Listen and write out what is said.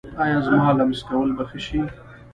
ایا زما لمس کول به ښه شي؟